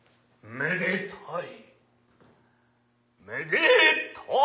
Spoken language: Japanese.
めでたい」。